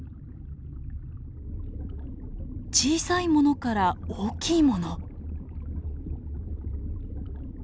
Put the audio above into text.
小さいものから大きいもの。